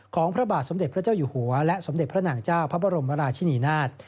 พระบาทสมเด็จพระเจ้าอยู่หัวและสมเด็จพระนางเจ้าพระบรมราชินีนาฏ